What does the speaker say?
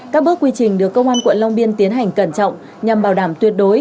các bước quy trình được công an quận long biên tiến hành cẩn trọng nhằm bảo đảm tuyệt đối